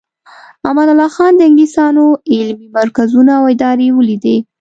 امان الله خان د انګلیسانو علمي مرکزونه او ادارې ولیدې.